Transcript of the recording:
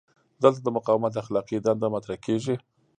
دلته د مقاومت اخلاقي دنده مطرح کیږي.